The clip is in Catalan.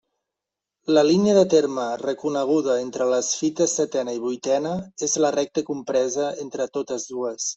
La línia de terme reconeguda entre les fites setena i vuitena és la recta compresa entre totes dues.